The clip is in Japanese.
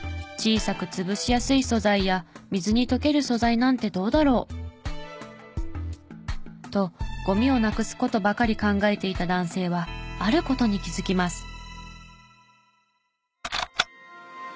小さく潰しやすい素材や水に溶ける素材なんてどうだろう？とゴミをなくすことばかり考えていた男性はあることに気づきます。